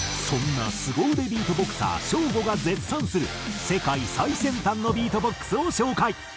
そんなすご腕ビートボクサーＳＨＯＷ−ＧＯが絶賛する世界最先端のビートボックスを紹介。